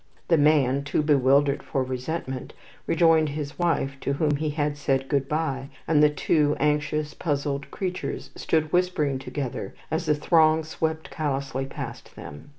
The man, too bewildered for resentment, rejoined his wife to whom he had said good bye, and the two anxious, puzzled creatures stood whispering together as the throng swept callously past them.